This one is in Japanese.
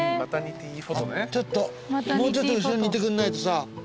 もうちょっと後ろにいてくんないとさ。